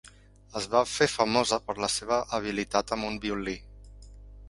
Es va fer famosa per la seva habilitat amb un violí.